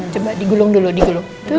coba digulung dulu